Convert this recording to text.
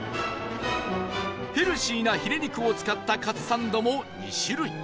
ヘルシーなヒレ肉を使ったかつサンドも２種類